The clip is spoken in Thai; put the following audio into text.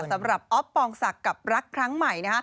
สำหรับอ๊อฟปองศักดิ์กับรักครั้งใหม่